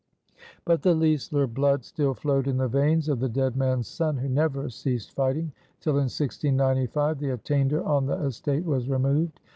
But the Leisler blood still flowed in the veins of the dead man's son, who never ceased fighting till in 1695 the attainder on the estate was removed.